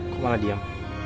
kok malah diam